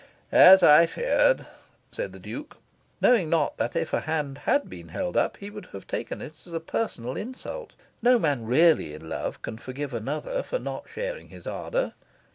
"As I feared," said the Duke, knowing not that if a hand had been held up he would have taken it as a personal insult. No man really in love can forgive another for not sharing his ardour.